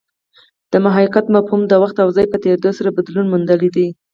د محاکات مفهوم د وخت او ځای په تېرېدو سره بدلون موندلی دی